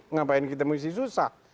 ngapain kita mengisi susah